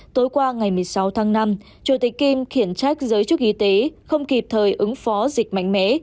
tối qua ngày một mươi sáu tháng năm chủ tịch kim khiển trách giới chức y tế không kịp thời ứng phó dịch mạnh mẽ